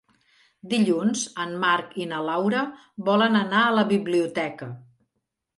Dilluns en Marc i na Laura volen anar a la biblioteca.